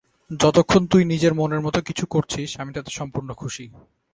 যতক্ষণ তুই নিজের মনের মতো কিছু করছিস, আমি তাতে সম্পূর্ণ খুশি।